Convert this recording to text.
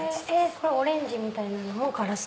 オレンジみたいなのもガラス？